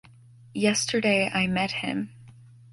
Yesterday I met him.